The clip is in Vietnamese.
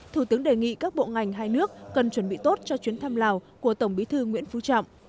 thủ tướng đề nghị các bộ ngành hai nước cần chuẩn bị tốt cho chuyến thăm lào của tổng bí thư nguyễn phú trọng